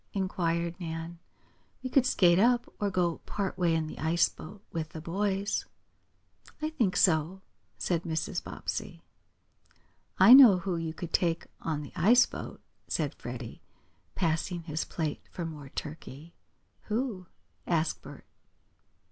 inquired Nan. "We could skate up, or go part way in the ice boat with the boys." "I think so," said Mrs. Bobbsey. "I know who you could take on the ice boat," said Freddie, passing his plate for more turkey. "Who?" asked Bert.